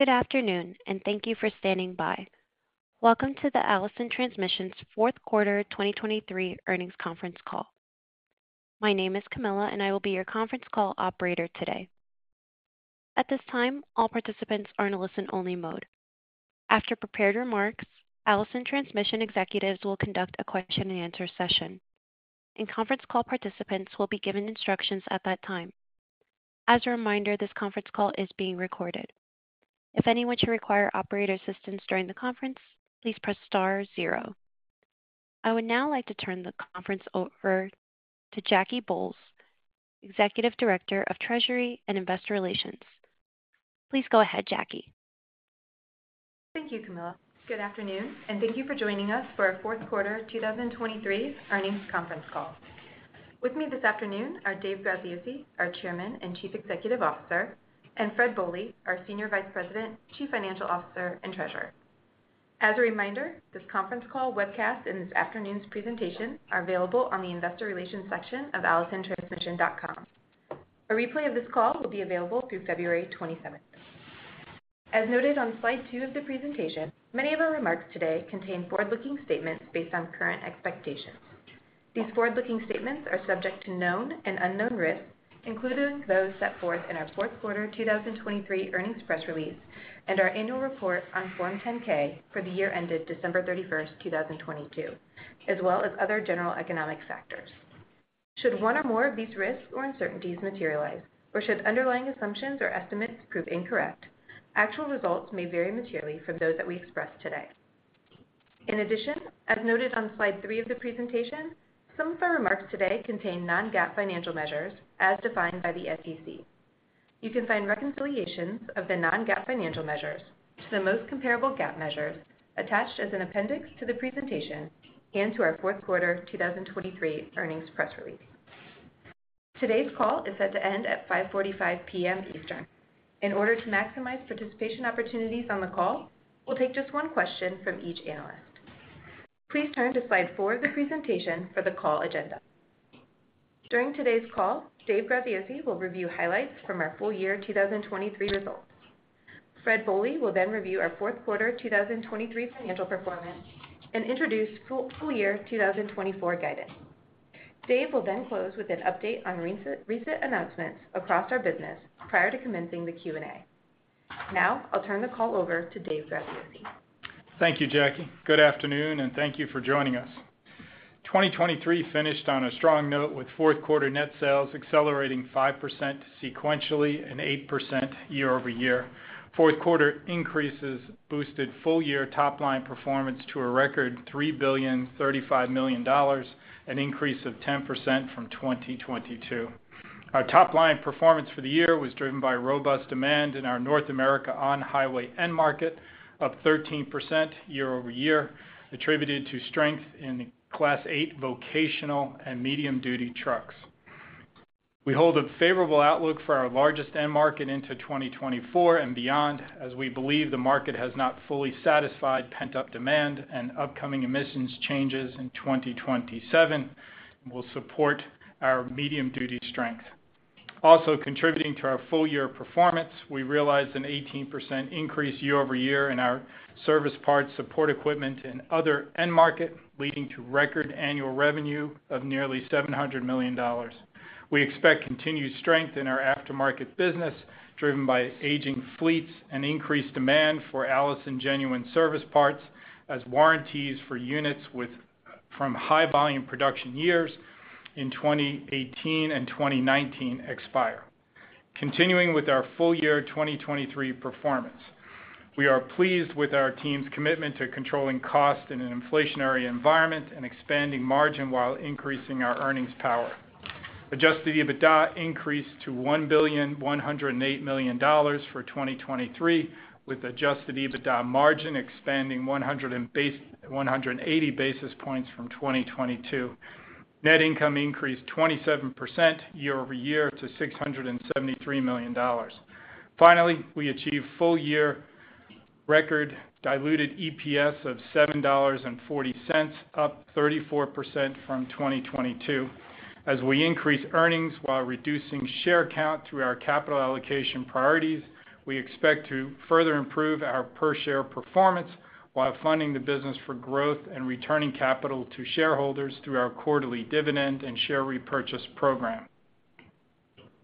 Good afternoon, and thank you for standing by. Welcome to the Allison Transmission's fourth quarter 2023 earnings conference call. My name is Camilla, and I will be your conference call operator today. At this time, all participants are in a listen-only mode. After prepared remarks, Allison Transmission executives will conduct a question-and-answer session, and conference call participants will be given instructions at that time. As a reminder, this conference call is being recorded. If anyone should require operator assistance during the conference, please press star zero. I would now like to turn the conference over to Jackie Bolles, Executive Director of Treasury and Investor Relations. Please go ahead, Jackie. Thank you, Camilla. Good afternoon, and thank you for joining us for our fourth quarter 2023 earnings conference call. With me this afternoon are Dave Graziosi, our Chairman and Chief Executive Officer, and Fred Bohley, our Senior Vice President, Chief Financial Officer, and Treasurer. As a reminder, this conference call webcast and this afternoon's presentation are available on the Investor Relations section of AllisonTransmission.com. A replay of this call will be available through February 27. As noted on Slide 2 of the presentation, many of our remarks today contain forward-looking statements based on current expectations. These forward-looking statements are subject to known and unknown risks, including those set forth in our fourth quarter 2023 earnings press release and our annual report on Form 10-K for the year ended December 31, 2022, as well as other general economic factors. Should one or more of these risks or uncertainties materialize, or should underlying assumptions or estimates prove incorrect, actual results may vary materially from those that we express today. In addition, as noted on Slide 3 of the presentation, some of our remarks today contain non-GAAP financial measures as defined by the SEC. You can find reconciliations of the non-GAAP financial measures to the most comparable GAAP measures attached as an appendix to the presentation and to our fourth quarter 2023 earnings press release. Today's call is set to end at 5:45 P.M. Eastern. In order to maximize participation opportunities on the call, we'll take just one question from each analyst. Please turn to Slide 4 of the presentation for the call agenda. During today's call, Dave Graziosi will review highlights from our full year 2023 results. Fred Bohley will then review our fourth quarter 2023 financial performance and introduce full year 2024 guidance. Dave will then close with an update on recent announcements across our business prior to commencing the Q&A. Now, I'll turn the call over to Dave Graziosi. Thank you, Jackie. Good afternoon, and thank you for joining us. 2023 finished on a strong note with fourth quarter net sales accelerating 5% sequentially and 8% year-over-year. Fourth quarter increases boosted full-year top-line performance to a record $3.035 billion, an increase of 10% from 2022. Our top-line performance for the year was driven by robust demand in our North America on-highway end market of 13% year-over-year, attributed to strength in the Class 8 vocational and medium-duty trucks. We hold a favorable outlook for our largest end market into 2024 and beyond, as we believe the market has not fully satisfied pent-up demand, and upcoming emissions changes in 2027 will support our medium-duty strength. Also contributing to our full-year performance, we realized an 18% increase year-over-year in our service parts, support equipment, and other end market, leading to record annual revenue of nearly $700 million. We expect continued strength in our aftermarket business, driven by aging fleets and increased demand for Allison Genuine Service Parts, as warranties for units with high volume production years in 2018 and 2019 expire. Continuing with our full-year 2023 performance, we are pleased with our team's commitment to controlling costs in an inflationary environment and expanding margin while increasing our earnings power. Adjusted EBITDA increased to $1.108 billion for 2023, with adjusted EBITDA margin expanding 180 basis points from 2022. Net income increased 27% year-over-year to $673 million. Finally, we achieved full-year record diluted EPS of $7.40, up 34% from 2022. As we increase earnings while reducing share count through our capital allocation priorities, we expect to further improve our per-share performance while funding the business for growth and returning capital to shareholders through our quarterly dividend and share repurchase program.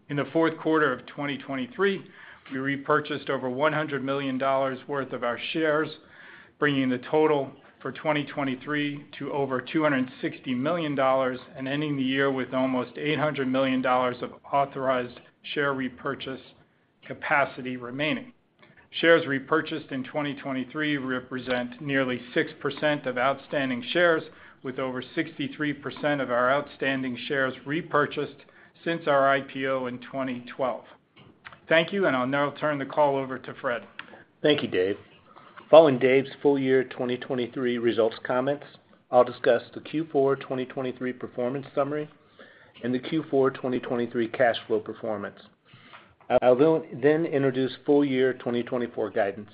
In the fourth quarter of 2023, we repurchased over $100 million worth of our shares, bringing the total for 2023 to over $260 million and ending the year with almost $800 million of authorized share repurchase capacity remaining. Shares repurchased in 2023 represent nearly 6% of outstanding shares, with over 63% of our outstanding shares repurchased since our IPO in 2012. Thank you, and I'll now turn the call over to Fred. Thank you, Dave. Following Dave's full-year 2023 results comments, I'll discuss the Q4 2023 performance summary and the Q4 2023 cash flow performance. I will then introduce full-year 2024 guidance.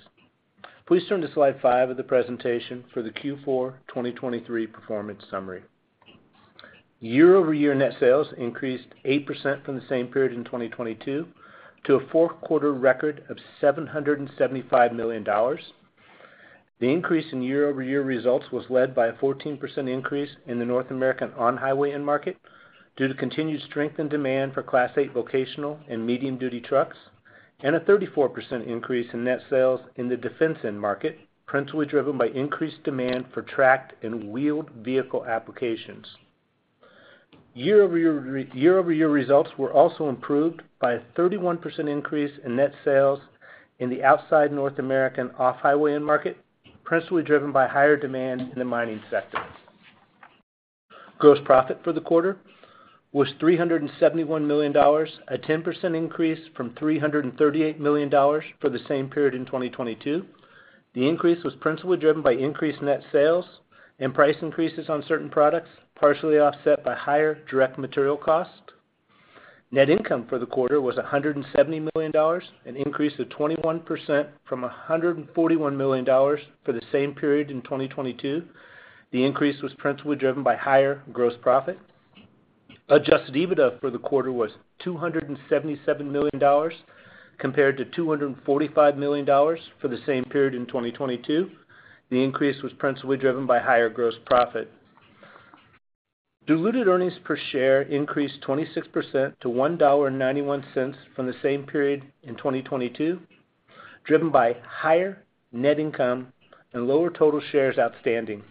Please turn to Slide 5 of the presentation for the Q4 2023 performance summary. Year-over-year net sales increased 8% from the same period in 2022 to a fourth quarter record of $775 million. The increase in year-over-year results was led by a 14% increase in the North American on-highway end market, due to continued strength and demand for Class 8 vocational and medium-duty trucks, and a 34% increase in net sales in the defense end market, principally driven by increased demand for tracked and wheeled vehicle applications. Year-over-year, year-over-year results were also improved by a 31% increase in net sales in the outside North American off-highway end market, principally driven by higher demand in the mining sector. Gross profit for the quarter was $371 million, a 10% increase from $338 million for the same period in 2022. The increase was principally driven by increased net sales and price increases on certain products, partially offset by higher direct material costs. Net income for the quarter was $170 million, an increase of 21% from $141 million for the same period in 2022. The increase was principally driven by higher gross profit. Adjusted EBITDA for the quarter was $277 million, compared to $245 million for the same period in 2022. The increase was principally driven by higher gross profit. Diluted earnings per share increased 26% to $1.91 from the same period in 2022, driven by higher net income and lower total shares outstanding.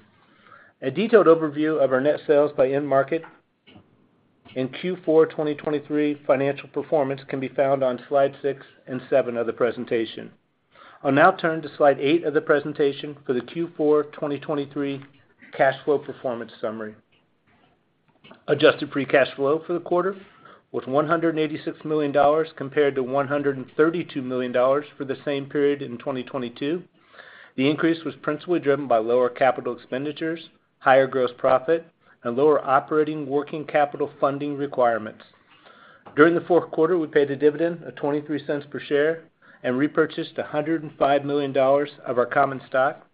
A detailed overview of our net sales by end market in Q4 2023 financial performance can be found on Slides 6 and 7 of the presentation. I'll now turn to Slide 8 of the presentation for the Q4 2023 cash flow performance summary. Adjusted free cash flow for the quarter was $186 million, compared to $132 million for the same period in 2022. The increase was principally driven by lower capital expenditures, higher gross profit, and lower operating working capital funding requirements. During the fourth quarter, we paid a dividend of $0.23 per share and repurchased $105 million of our common stock.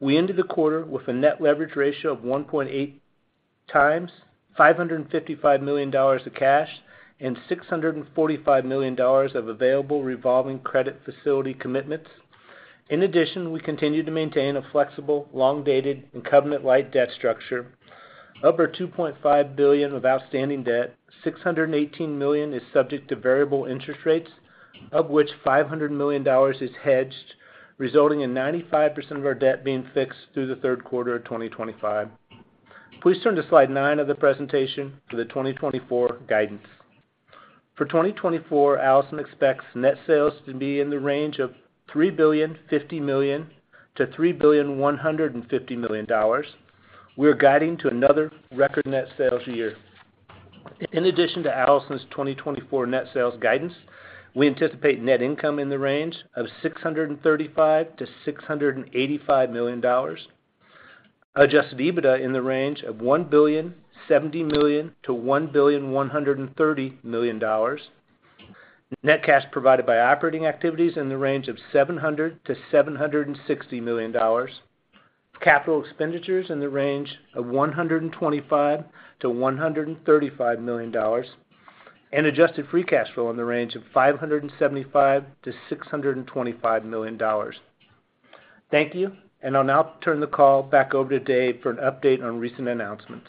We ended the quarter with a net leverage ratio of 1.8 times, $555 million of cash, and $645 million of available revolving credit facility commitments. In addition, we continue to maintain a flexible, long-dated, and covenant-lite debt structure. Of our $2.5 billion of outstanding debt, $618 million is subject to variable interest rates, of which $500 million is hedged, resulting in 95% of our debt being fixed through the third quarter of 2025. Please turn to Slide 9 of the presentation for the 2024 guidance. For 2024, Allison expects net sales to be in the range of $3.05 billion–$3.15 billion. We are guiding to another record net sales year. In addition to Allison's 2024 net sales guidance, we anticipate net income in the range of $635 million–$685 million. Adjusted EBITDA in the range of $1.07 billion–$1.13 billion. Net cash provided by operating activities in the range of $700 million–$760 million. Capital expenditures in the range of $125 million–$135 million, and adjusted free cash flow in the range of $575 million–$625 million. Thank you, and I'll now turn the call back over to Dave for an update on recent announcements.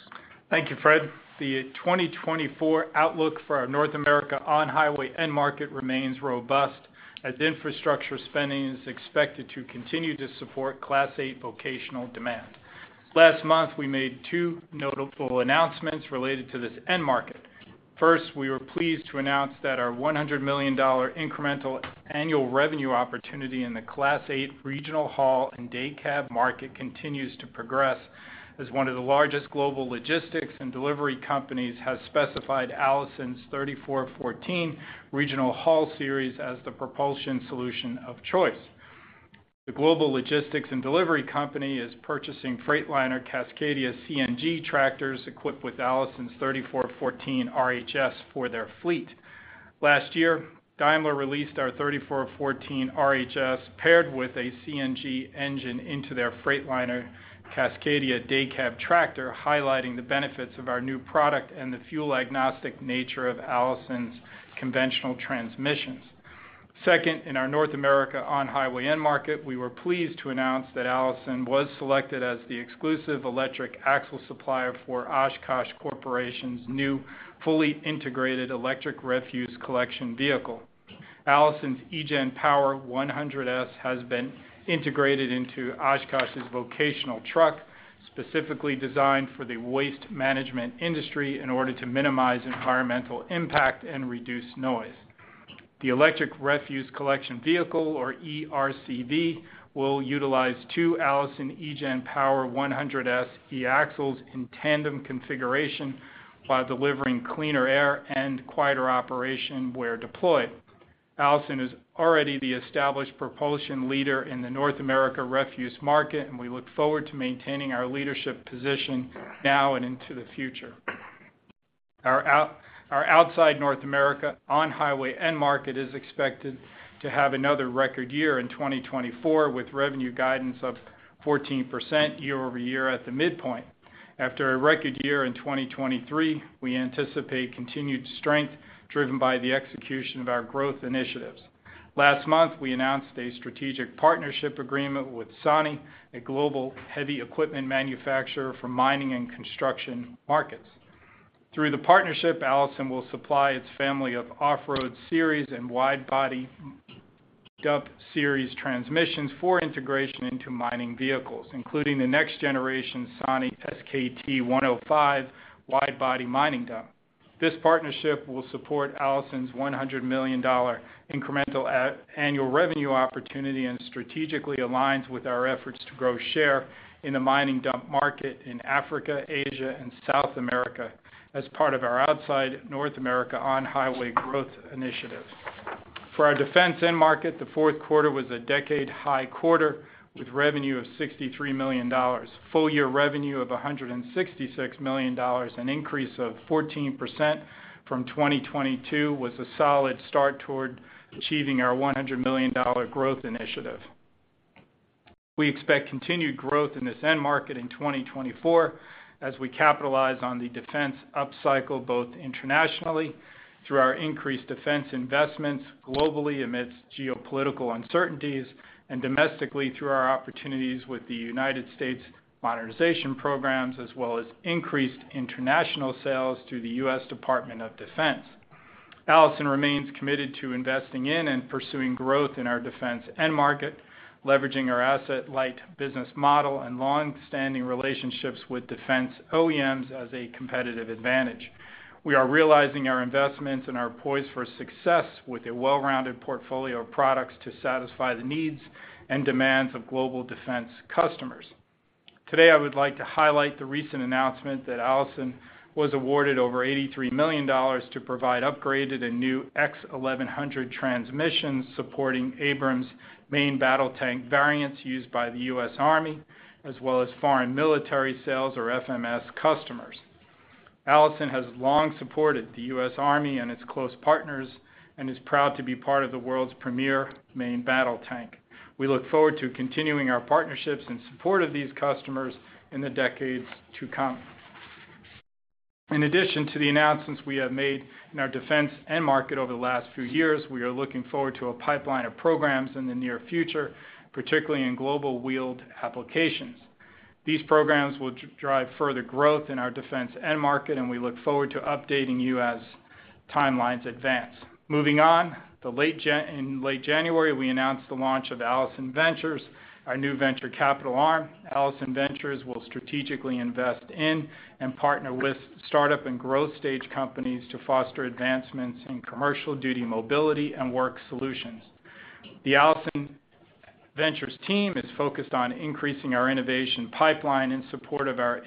Thank you, Fred. The 2024 outlook for our North America on-highway end market remains robust, as infrastructure spending is expected to continue to support Class 8 vocational demand. Last month, we made two notable announcements related to this end market. First, we were pleased to announce that our $100 million incremental annual revenue opportunity in the Class 8 regional haul and day cab market continues to progress, as one of the largest global logistics and delivery companies has specified Allison's 3414 Regional Haul Series as the propulsion solution of choice. The global logistics and delivery company is purchasing Freightliner Cascadia CNG tractors equipped with Allison's 3414 RHS for their fleet. Last year, Daimler released our 3414 RHS, paired with a CNG engine into their Freightliner Cascadia day cab tractor, highlighting the benefits of our new product and the fuel-agnostic nature of Allison's conventional transmissions. Second, in our North America on-highway end market, we were pleased to announce that Allison was selected as the exclusive electric axle supplier for Oshkosh Corporation's new fully integrated electric refuse collection vehicle. Allison's eGen Power 100S has been integrated into Oshkosh's vocational truck, specifically designed for the waste management industry in order to minimize environmental impact and reduce noise. The electric refuse collection vehicle, or ERCV, will utilize two Allison eGen Power 100S e-axles in tandem configuration, while delivering cleaner air and quieter operation where deployed. Allison is already the established propulsion leader in the North America refuse market, and we look forward to maintaining our leadership position now and into the future.... Our outside North America on-highway end market is expected to have another record year in 2024, with revenue guidance of 14% year-over-year at the midpoint. After a record year in 2023, we anticipate continued strength, driven by the execution of our growth initiatives. Last month, we announced a strategic partnership agreement with SANY, a global heavy equipment manufacturer for mining and construction markets. Through the partnership, Allison will supply its family of Off-Road Series and Wide Body Dump Series transmissions for integration into mining vehicles, including the next generation SANY SKT105 wide body mining dump. This partnership will support Allison's $100 million incremental at annual revenue opportunity, and strategically aligns with our efforts to grow share in the mining dump market in Africa, Asia, and South America as part of our outside North America on-highway growth initiative. For our defense end market, the fourth quarter was a decade-high quarter, with revenue of $63 million. Full year revenue of $166 million, an increase of 14% from 2022, was a solid start toward achieving our $100 million growth initiative. We expect continued growth in this end market in 2024, as we capitalize on the defense upcycle, both internationally through our increased defense investments globally amidst geopolitical uncertainties and domestically through our opportunities with the United States modernization programs, as well as increased international sales to the U.S. Department of Defense. Allison remains committed to investing in and pursuing growth in our defense end market, leveraging our asset-light business model and long-standing relationships with defense OEMs as a competitive advantage. We are realizing our investments and are poised for success with a well-rounded portfolio of products to satisfy the needs and demands of global defense customers. Today, I would like to highlight the recent announcement that Allison was awarded over $83 million to provide upgraded and new X1100 transmissions, supporting Abrams main battle tank variants used by the U.S. Army, as well as Foreign Military Sales, or FMS, customers. Allison has long supported the U.S. Army and its close partners and is proud to be part of the world's premier main battle tank. We look forward to continuing our partnerships in support of these customers in the decades to come. In addition to the announcements we have made in our defense end market over the last few years, we are looking forward to a pipeline of programs in the near future, particularly in global wheeled applications. These programs will drive further growth in our defense end market, and we look forward to updating you as timelines advance. Moving on, in late January, we announced the launch of Allison Ventures, our new venture capital arm. Allison Ventures will strategically invest in and partner with startup and growth stage companies to foster advancements in commercial duty, mobility, and work solutions. The Allison Ventures team is focused on increasing our innovation pipeline in support of our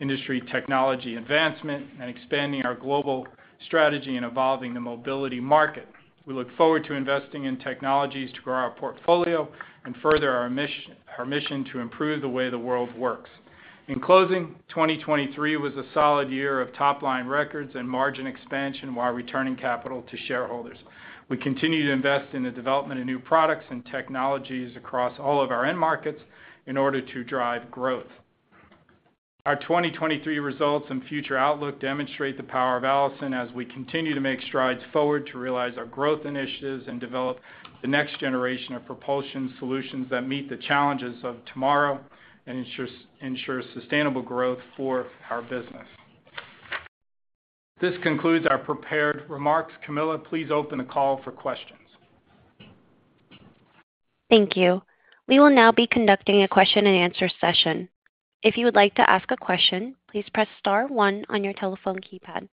industry technology advancement and expanding our global strategy in evolving the mobility market. We look forward to investing in technologies to grow our portfolio and further our mission, our mission to improve the way the world works. In closing, 2023 was a solid year of top-line records and margin expansion while returning capital to shareholders. We continue to invest in the development of new products and technologies across all of our end markets in order to drive growth. Our 2023 results and future outlook demonstrate the power of Allison as we continue to make strides forward to realize our growth initiatives and develop the next generation of propulsion solutions that meet the challenges of tomorrow and ensure sustainable growth for our business. This concludes our prepared remarks. Camilla, please open the call for questions. Thank you. We will now be conducting a question-and-answer session. If you would like to ask a question, please press star one on your telephone keypad.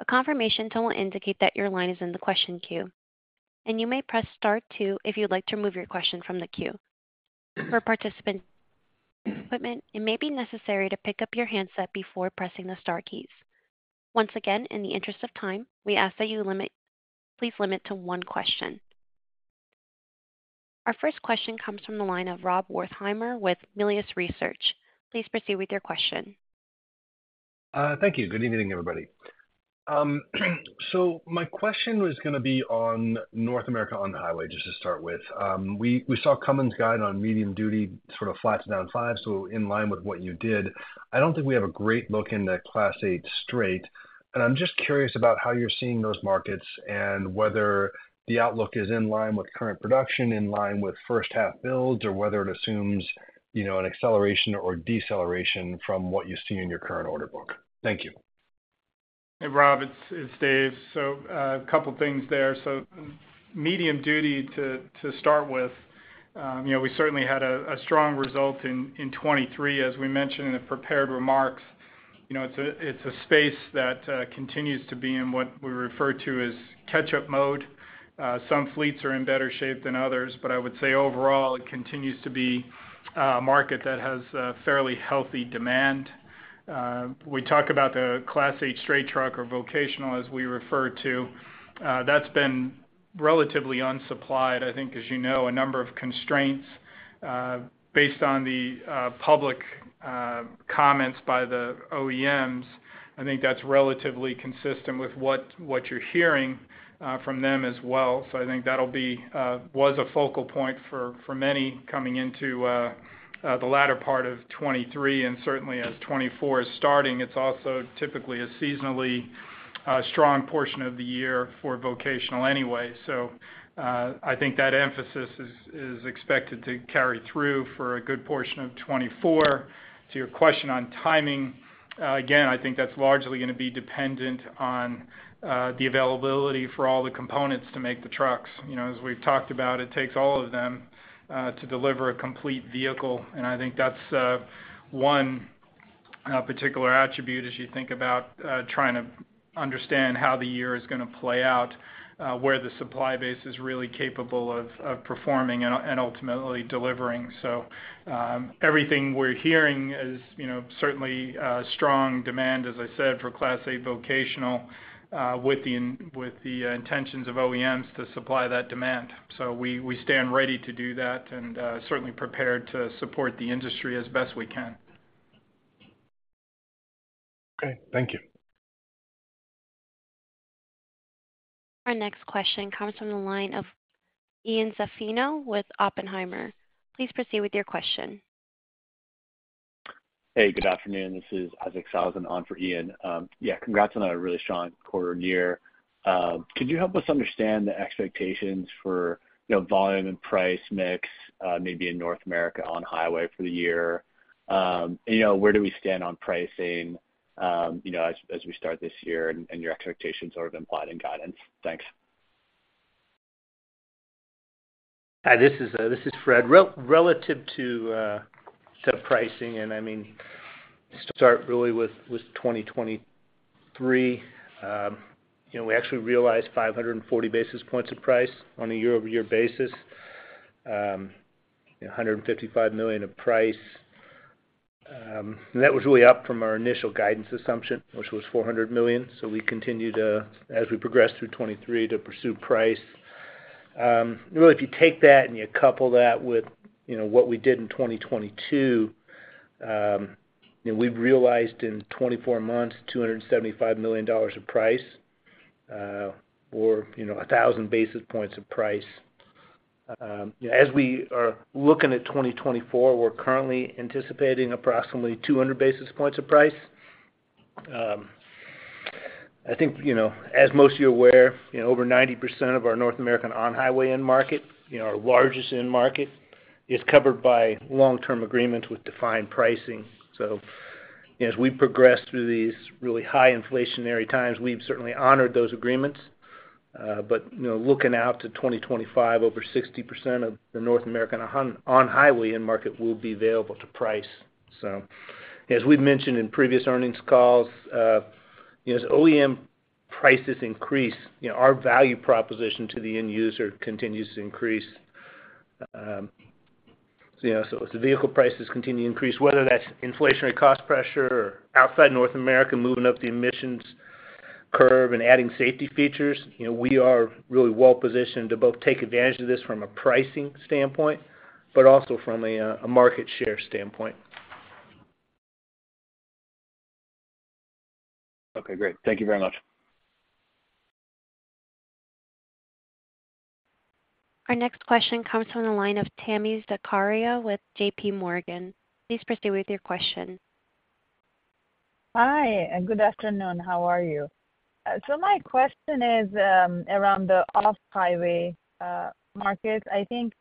A confirmation tone will indicate that your line is in the question queue, and you may press star two if you'd like to remove your question from the queue. For participant equipment, it may be necessary to pick up your handset before pressing the star keys. Once again, in the interest of time, we ask that you limit, please limit to one question. Our first question comes from the line of Rob Wertheimer with Melius Research. Please proceed with your question. Thank you. Good evening, everybody. So my question was gonna be on North America on-highway, just to start with. We saw Cummins guide on medium-duty sort of flat to down 5%, so in line with what you did. I don't think we have a great look into Class 8 straight, and I'm just curious about how you're seeing those markets and whether the outlook is in line with current production, in line with first half builds, or whether it assumes, you know, an acceleration or deceleration from what you see in your current order book. Thank you. Hey, Rob, it's Dave. So, a couple things there. So medium duty to start with, you know, we certainly had a strong result in 2023, as we mentioned in the prepared remarks. You know, it's a space that continues to be in what we refer to as catch-up mode. Some fleets are in better shape than others, but I would say overall, it continues to be a market that has a fairly healthy demand. We talk about the Class 8 straight truck or vocational as we refer to. That's been relatively unsupplied. I think, as you know, a number of constraints based on the public comments by the OEMs, I think that's relatively consistent with what you're hearing from them as well. So I think that'll be a focal point for many coming into the latter part of 2023, and certainly as 2024 is starting, it's also typically a seasonally strong portion of the year for vocational anyway. So, I think that emphasis is expected to carry through for a good portion of 2024. To your question on timing, again, I think that's largely gonna be dependent on the availability for all the components to make the trucks. You know, as we've talked about, it takes all of them to deliver a complete vehicle, and I think that's one particular attribute as you think about trying to understand how the year is gonna play out, where the supply base is really capable of performing and ultimately delivering. So, everything we're hearing is, you know, certainly strong demand, as I said, for Class 8 vocational with the intentions of OEMs to supply that demand. So we stand ready to do that and certainly prepared to support the industry as best we can. Okay, thank you. Our next question comes from the line of Ian Zaffino with Oppenheimer. Please proceed with your question. Hey, good afternoon. This is Isaac Sellhausen on for Ian. Yeah, congrats on a really strong quarter and year. Could you help us understand the expectations for, you know, volume and price mix, maybe in North America on highway for the year? And you know, where do we stand on pricing, you know, as, as we start this year and, and your expectations are implied in guidance? Thanks. Hi, this is Fred. Relative to pricing, and I mean, start really with 2023, you know, we actually realized 540 basis points of price on a year-over-year basis, $155 million of price. And that was really up from our initial guidance assumption, which was $400 million. So we continued, as we progressed through 2023, to pursue price. Really, if you take that and you couple that with, you know, what we did in 2022, you know, we've realized in 24 months, $275 million of price, or, you know, 1,000 basis points of price. As we are looking at 2024, we're currently anticipating approximately 200 basis points of price. I think, you know, as most of you are aware, you know, over 90% of our North American on-highway end market, you know, our largest end market, is covered by long-term agreements with defined pricing. So, as we progress through these really high inflationary times, we've certainly honored those agreements. But, you know, looking out to 2025, over 60% of the North American on-highway end market will be available to price. So as we've mentioned in previous earnings calls, as OEM prices increase, you know, our value proposition to the end user continues to increase. You know, so as the vehicle prices continue to increase, whether that's inflationary cost pressure or outside North America, moving up the emissions curve and adding safety features, you know, we are really well positioned to both take advantage of this from a pricing standpoint, but also from a, a market share standpoint. Okay, great. Thank you very much. Our next question comes from the line of Tami Zakaria with JPMorgan. Please proceed with your question. Hi, and good afternoon. How are you? So my question is around the off-highway market. I think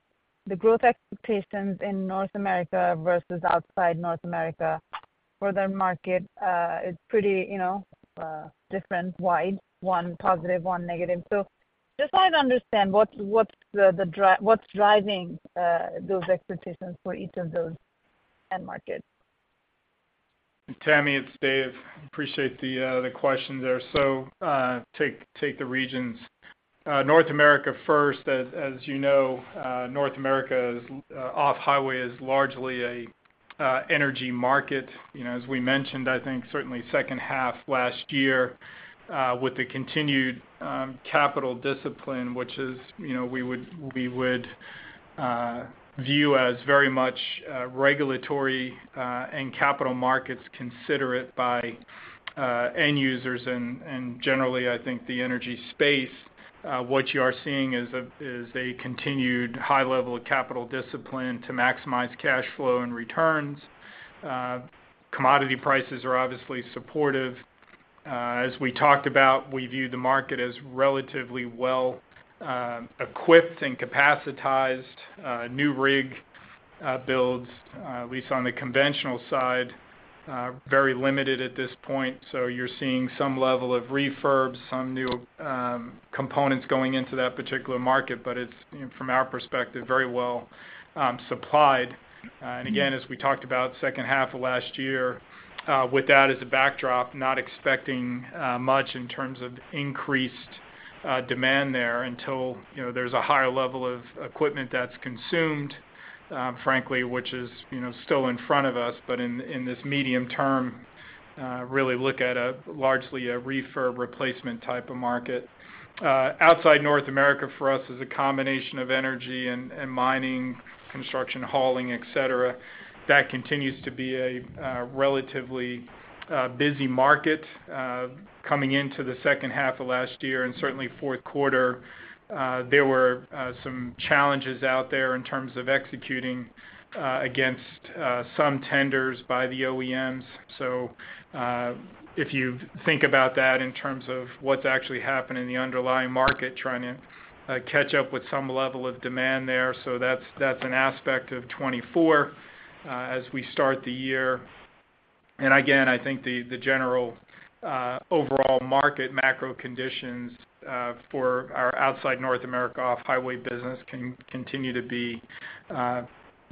the growth expectations in North America versus outside North America for the market is pretty, you know, different, wide, one positive, one negative. So just try to understand what's driving those expectations for each of those end markets? Tami, it's Dave. Appreciate the question there. So take the regions. North America first, as you know, North America's off-highway is largely a energy market. You know, as we mentioned, I think certainly second half last year, with the continued capital discipline, which is, you know, we would view as very much regulatory and capital markets considerate by end users and generally, I think the energy space, what you are seeing is a continued high level of capital discipline to maximize cash flow and returns. Commodity prices are obviously supportive. As we talked about, we view the market as relatively well equipped and capacitized. New rig builds, at least on the conventional side, very limited at this point, so you're seeing some level of refurbs, some new components going into that particular market, but it's, you know, from our perspective, very well supplied. And again, as we talked about second half of last year, with that as a backdrop, not expecting much in terms of increased,... demand there until, you know, there's a higher level of equipment that's consumed, frankly, which is, you know, still in front of us. But in this medium term, really look at a largely a refurb replacement type of market. Outside North America for us is a combination of energy and mining, construction, hauling, et cetera, that continues to be a relatively busy market. Coming into the second half of last year, and certainly fourth quarter, there were some challenges out there in terms of executing against some tenders by the OEMs. So if you think about that in terms of what's actually happening in the underlying market, trying to catch up with some level of demand there. So that's an aspect of 2024 as we start the year. And again, I think the general overall market macro conditions for our outside North America off-highway business can continue to be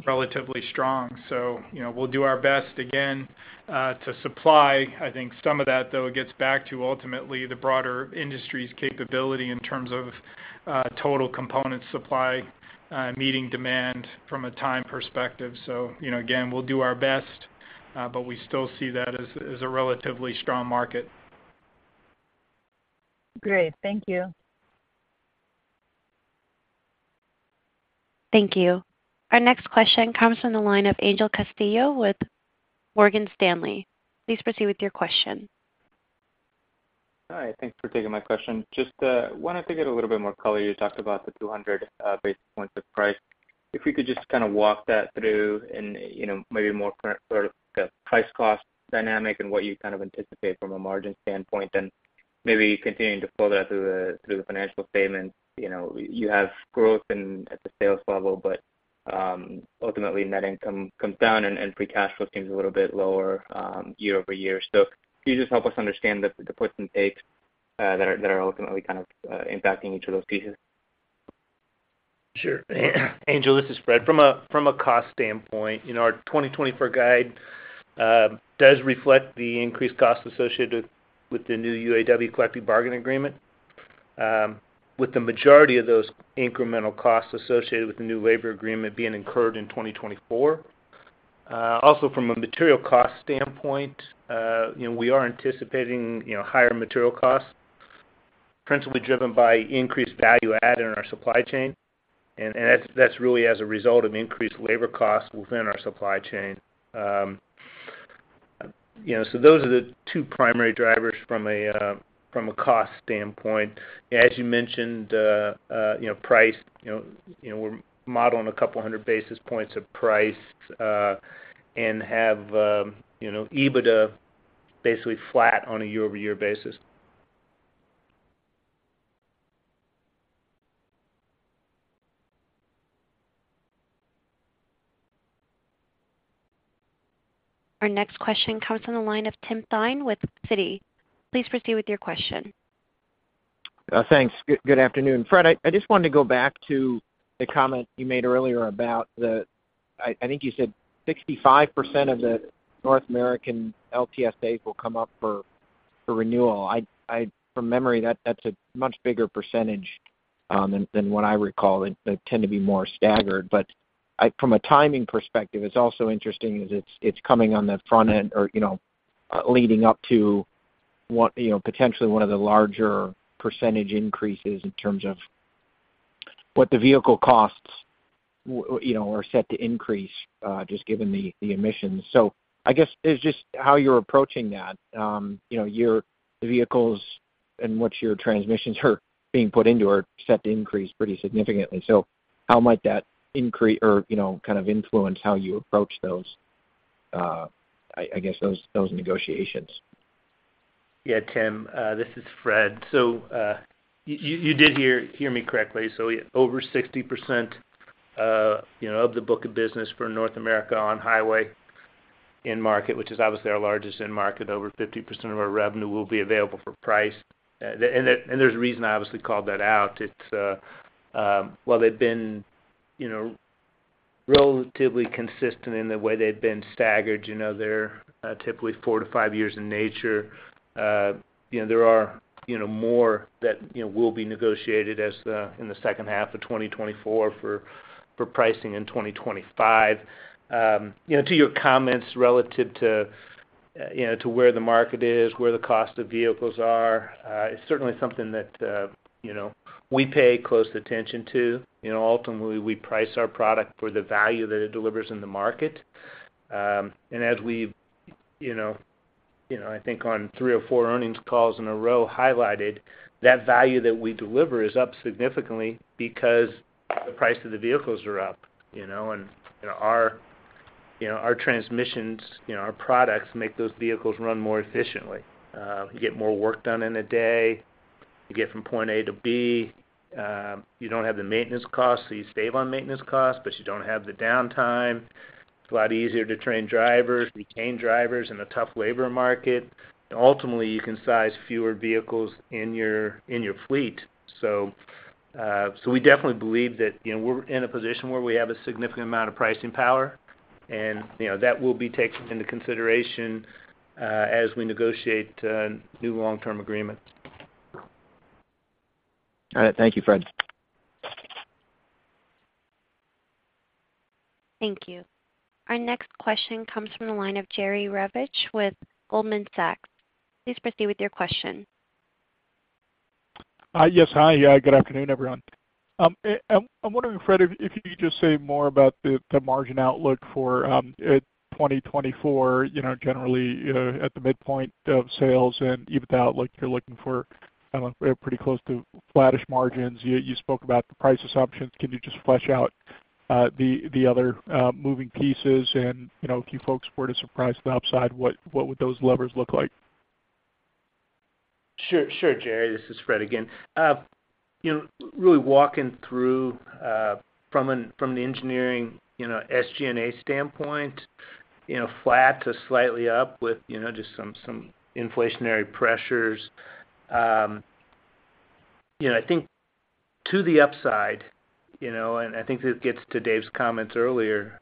relatively strong. So, you know, we'll do our best again to supply. I think some of that, though, gets back to ultimately the broader industry's capability in terms of total component supply meeting demand from a time perspective. So, you know, again, we'll do our best, but we still see that as a relatively strong market. Great. Thank you. Thank you. Our next question comes from the line of Angel Castillo with Morgan Stanley. Please proceed with your question. Hi, thanks for taking my question. Just, wanted to get a little bit more color. You talked about the 200, basis points of price. If we could just kind of walk that through and, you know, maybe more current sort of the price cost dynamic and what you kind of anticipate from a margin standpoint, then maybe continuing to pull that through the, through the financial statements. You know, you have growth in-- at the sales level, but, ultimately, net income comes down and, and free cash flow seems a little bit lower, year-over-year. So can you just help us understand the, the puts and takes, that are, that are ultimately kind of, impacting each of those pieces? Sure. Angel, this is Fred. From a cost standpoint, you know, our 2024 guide does reflect the increased costs associated with the new UAW collective bargaining agreement, with the majority of those incremental costs associated with the new labor agreement being incurred in 2024. Also, from a material cost standpoint, you know, we are anticipating, you know, higher material costs, principally driven by increased value add in our supply chain, and that's really as a result of increased labor costs within our supply chain. You know, so those are the two primary drivers from a cost standpoint. As you mentioned, price, you know, we're modeling a couple hundred basis points of price, and have, you know, EBITDA basically flat on a year-over-year basis. Our next question comes from the line of Tim Thein with Citi. Please proceed with your question. Thanks. Good afternoon. Fred, I just wanted to go back to the comment you made earlier about the... I think you said 65% of the North American LTSAs will come up for renewal. From memory, that's a much bigger percentage than what I recall. They tend to be more staggered, but from a timing perspective, it's also interesting is it's coming on the front end or, you know, leading up to one, you know, potentially one of the larger percentage increases in terms of what the vehicle costs, you know, are set to increase, just given the emissions. So I guess it's just how you're approaching that. You know, your vehicles and what your transmissions are being put into are set to increase pretty significantly. So how might that increase or, you know, kind of influence how you approach those, I guess those negotiations? Yeah, Tim, this is Fred. So, you did hear me correctly. So over 60%, you know, of the book of business for North America on-highway end market, which is obviously our largest end market, over 50% of our revenue will be available for price. And there's a reason I obviously called that out. It's while they've been, you know, relatively consistent in the way they've been staggered, you know, they're typically 4-5 years in nature. You know, there are more that will be negotiated in the second half of 2024 for pricing in 2025. You know, to your comments relative to, you know, to where the market is, where the cost of vehicles are, it's certainly something that, you know, we pay close attention to. You know, ultimately, we price our product for the value that it delivers in the market. And as we've, you know, you know, I think on three or four earnings calls in a row, highlighted that value that we deliver is up significantly because the price of the vehicles are up, you know, and, you know, our, you know, our transmissions, you know, our products make those vehicles run more efficiently. You get more work done in a day, you get from point A to B, you don't have the maintenance costs, so you save on maintenance costs, but you don't have the downtime. It's a lot easier to train drivers, retain drivers in a tough labor market, and ultimately, you can size fewer vehicles in your fleet. So, we definitely believe that, you know, we're in a position where we have a significant amount of pricing power... and, you know, that will be taken into consideration, as we negotiate new long-term agreements. All right. Thank you, Fred. Thank you. Our next question comes from the line of Jerry Revich with Goldman Sachs. Please proceed with your question. Yes. Hi, yeah, good afternoon, everyone. I'm wondering, Fred, if you could just say more about the margin outlook for 2024, you know, generally, you know, at the midpoint of sales and EBITDA, like you're looking for pretty close to flattish margins. You spoke about the price assumptions. Can you just flesh out the other moving pieces and, you know, if you folks were to surprise the upside, what would those levers look like? Sure. Sure, Jerry, this is Fred again. You know, really walking through from the engineering, you know, SG&A standpoint, you know, flat to slightly up with just some inflationary pressures. You know, I think to the upside, you know, and I think this gets to Dave's comments earlier,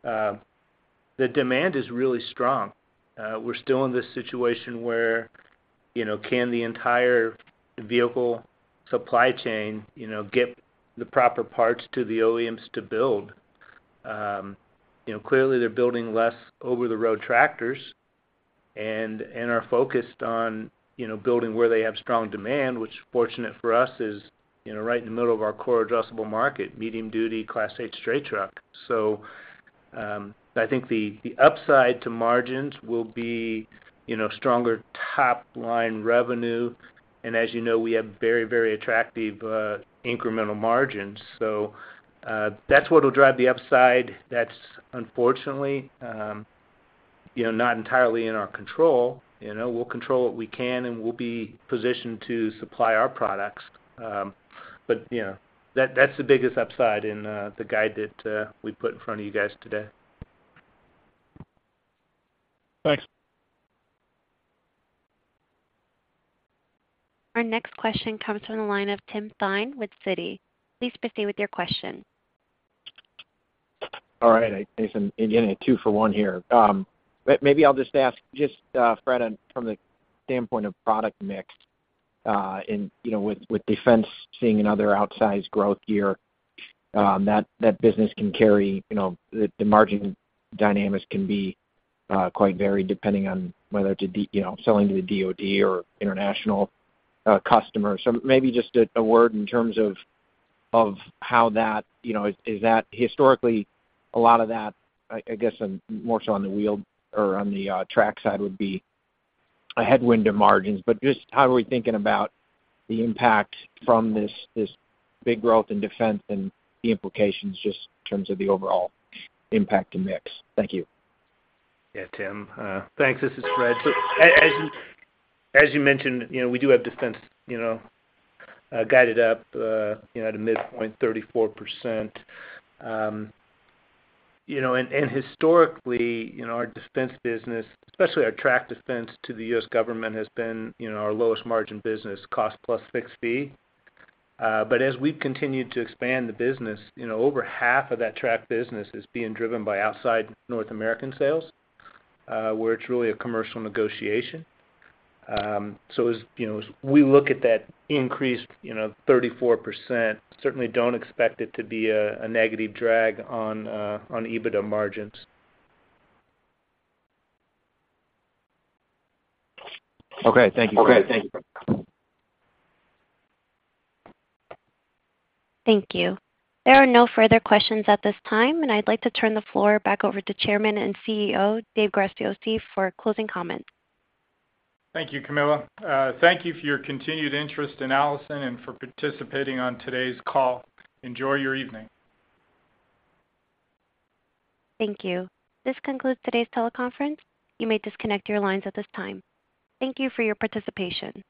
the demand is really strong. We're still in this situation where, you know, can the entire vehicle supply chain, you know, get the proper parts to the OEMs to build? You know, clearly, they're building less over-the-road tractors and are focused on, you know, building where they have strong demand, which fortunate for us is, you know, right in the middle of our core addressable market, medium-duty Class 8 straight truck. So, I think the upside to margins will be, you know, stronger top-line revenue, and as you know, we have very, very attractive incremental margins. So, that's what will drive the upside. That's unfortunately, you know, not entirely in our control. You know, we'll control what we can, and we'll be positioned to supply our products. But, you know, that's the biggest upside in the guide that we put in front of you guys today. Thanks. Our next question comes from the line of Tim Thein with Citi. Please proceed with your question. All right, I guess I'm getting a two-for-one here. But maybe I'll just ask, just, Fred, on from the standpoint of product mix, and, you know, with, with defense seeing another outsized growth year, that, that business can carry, you know, the, the margin dynamics can be, quite varied depending on whether to be, you know, selling to the DoD or international, customers. So maybe just a, a word in terms of, of how that, you know, is, is that historically a lot of that, I, I guess, more so on the wheel or on the, track side, would be a headwind to margins. But just how are we thinking about the impact from this, this big growth in defense and the implications just in terms of the overall impact and mix? Thank you. Yeah, Tim, thanks. This is Fred. So as you, as you mentioned, you know, we do have defense, you know, guided up, you know, at a midpoint 34%. You know, and historically, you know, our defense business, especially our track defense to the U.S. government, has been, you know, our lowest margin business, cost plus fixed fee. But as we've continued to expand the business, you know, over half of that track business is being driven by outside North American sales, where it's really a commercial negotiation. So as, you know, as we look at that increased, you know, 34%, certainly don't expect it to be a negative drag on EBITDA margins. Okay, thank you, Fred. Thank you. There are no further questions at this time, and I'd like to turn the floor back over to Chairman and CEO, David Graziosi, for closing comments. Thank you, Camilla. Thank you for your continued interest in Allison and for participating on today's call. Enjoy your evening. Thank you. This concludes today's teleconference. You may disconnect your lines at this time. Thank you for your participation.